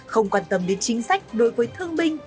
không quan tâm đến chính sách đối với thương binh